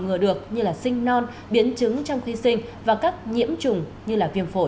ngừa được như là sinh non biến chứng trong khi sinh và các nhiễm chủng như là viêm phổi